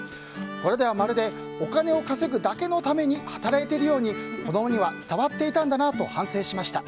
これではまるでお金を稼ぐだけのために働いているように子供には伝わっていたんだなと反省しました。